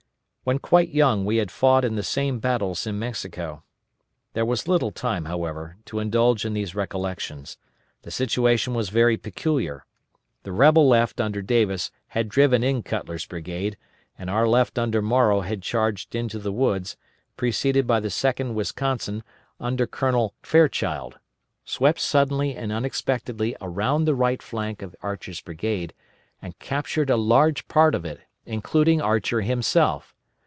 When quite young we had fought in the same battles in Mexico. There was little time, however, to indulge in these recollections. The situation was very peculiar. The rebel left under Davis had driven in Cutler's brigade and our left under Morrow had charged into the woods, preceded by the 2d Wisconsin under Colonel Fairchild, swept suddenly and unexpectedly around the right flank of Archer's brigade, and captured a large part of it, including Archer himself.